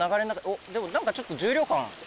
おっでもなんかちょっと重量感。